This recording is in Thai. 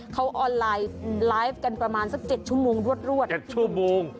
เขาออนไลน์ไลฟ์กันประมาณสัก๗ชั่วโมงรวด๗ชั่วโมง